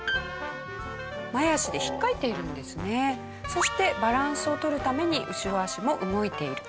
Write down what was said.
そしてバランスを取るために後ろ足も動いていると。